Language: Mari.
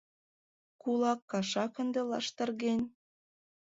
— Кулак кашак ынде лаштырген.